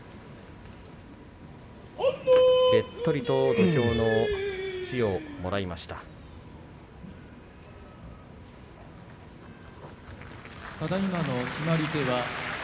べっとりと土俵の土をもらいました。